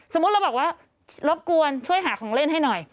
สมมุติเราบอกว่ารบกวนช่วยหาของเล่นให้หน่อย